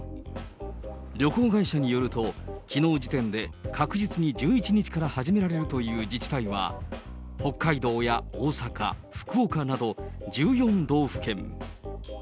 旅行会社によると、きのう時点で、確実に１１日から始められるという自治体は、北海道や大阪、福岡など、１４道府県。